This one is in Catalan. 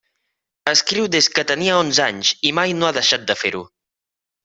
Escriu des que tenia onze anys i mai no ha deixat de fer-ho.